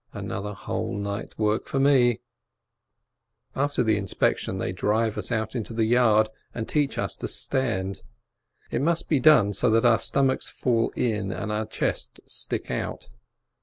Another whole night's work for me ! After the inspection, they drive us out into the yard and teach us to stand: it must be done so that our stomachs fall in and our chests stick out.